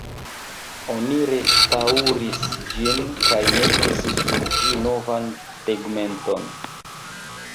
Oni restaŭris ĝin kaj metis sur ĝi novan tegmenton.